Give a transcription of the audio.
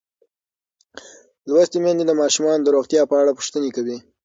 لوستې میندې د ماشومانو د روغتیا په اړه پوښتنې کوي.